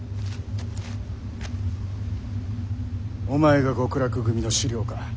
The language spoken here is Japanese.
お前が極楽組の首領か。